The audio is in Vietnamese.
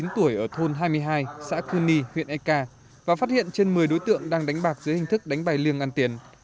bốn mươi tuổi ở thôn hai mươi hai xã cư ni huyện eka và phát hiện trên một mươi đối tượng đang đánh bạc dưới hình thức đánh bài liêng ăn tiền